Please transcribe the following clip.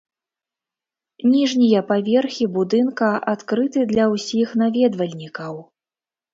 Ніжнія паверхі будынка адкрыты для ўсіх наведвальнікаў.